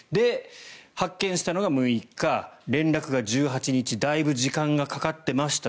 発見したのが６日連絡が１８日だいぶ時間がかかってました